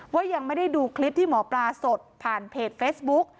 ว่ายังไม่ได้ดูคลิปที่หมอปลาสดผ่านเพจเฟซบุ๊ก